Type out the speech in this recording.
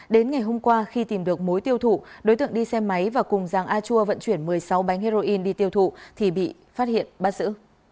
đến ngày hôm qua khi tìm được mối tiêu thụ đối tượng đi xe máy và cùng giàng a chua vận chuyển một mươi sáu bánh heroin đi tiêu thụ thì bị phát hiện bắt giữ